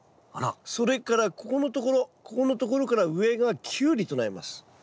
それからここのところここのところから上がキュウリとなります。